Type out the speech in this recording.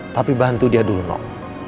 tapi bantu dia dulu dong